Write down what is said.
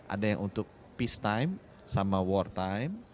ada yang untuk peacetime sama wartime